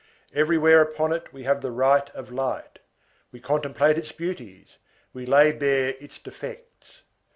Everywhere upon it we have the right of light, we contemplate its beauties, we lay bare its defects.